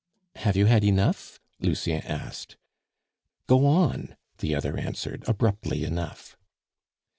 "Have you had enough?" Lucien asked. "Go on," the other answered abruptly enough.